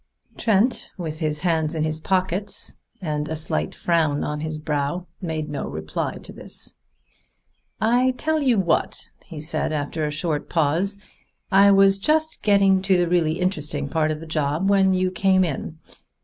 Trent, with his hands in his pockets and a slight frown on his brow, made no reply to this. "I tell you what," he said after a short pause, "I was just getting to the really interesting part of the job when you came in.